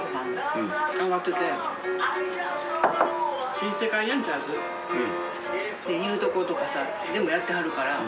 新世界ヤンチャーズっていう所とかでもやってはるから。